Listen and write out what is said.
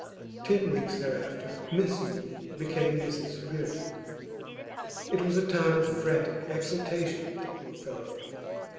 Ten weeks thereafter, Miss Yule became Mrs Reardon. It was a time of frantic exultation with the poor fellow.